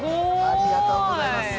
◆ありがとうございます。